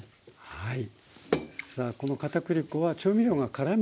はい。